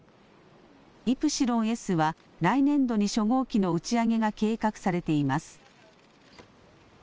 イプシロンＳは来年度に初号機の打ち上げが計画されています。